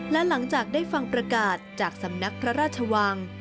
และหลังจากได้ฟังประกาศจากสำนักพระราชวัง